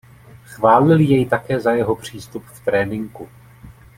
Chválil jej také za jeho přístup v tréninku.